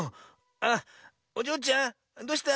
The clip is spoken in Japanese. あっおじょうちゃんどうした？